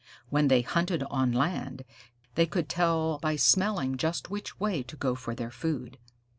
When they hunted on land, they could tell by smelling just which way to go for their food.